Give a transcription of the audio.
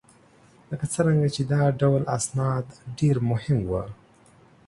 لکه څرنګه چې دا ډول اسناد ډېر مهم وه